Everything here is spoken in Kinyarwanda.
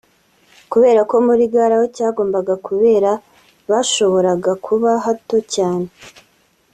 kubera ko muri Gare aho cyagombaga kubera bashoboraga kuba hato cyane